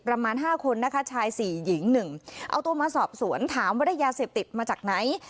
ประมาณห้าคนนะคะชายสี่หญิงหนึ่งเอาตัวมาสอบสวนถามว่าได้ยาเสพติดมาจากไหน